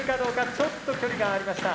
ちょっと距離がありました。